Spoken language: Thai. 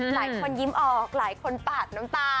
หลายคนยิ้มออกหลายคนปาดน้ำตา